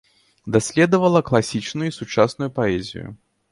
Даследавала класічную і сучасную паэзію.